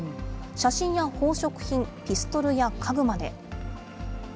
写真や宝飾品、ピストルや家具まで。